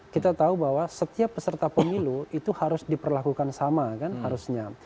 kita tahu bahwa setiap peserta pemilu itu harus diperlakukan sama kan harusnya